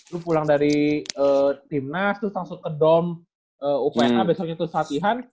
lu pulang dari timnas terus langsung ke dom upah besoknya terus latihan